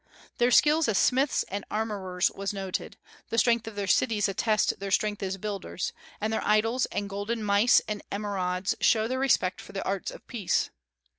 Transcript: Their skill as smiths and armorers was noted; the strength of their cities attest their strength as builders, and their idols and golden mice and emerods show their respect for the arts of peace."